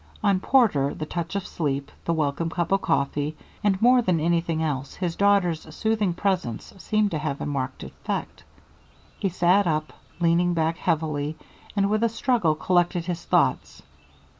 On Porter, the touch of sleep, the welcome cup of coffee, and more than anything else his daughter's soothing presence, seemed to have a marked effect. He sat up, leaning back heavily, and with a struggle collected his thoughts.